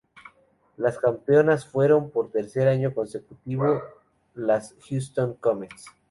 Las campeonas fueron por tercer año consecutivo las Houston Comets.